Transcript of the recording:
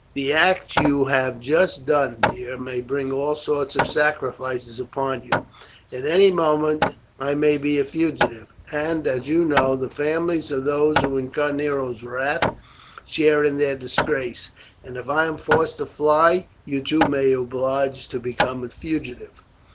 The act you have just done, dear, may bring all sorts of sacrifices upon you. At any moment I may be a fugitive, and, as you know, the families of those who incur Nero's wrath share in their disgrace; and if I am forced to fly, you too may be obliged to become a fugitive."